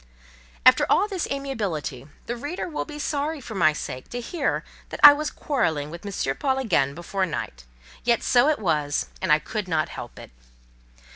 After all this amiability, the reader will be sorry for my sake to hear that I was quarrelling with M. Paul again before night; yet so it was, and I could not help it.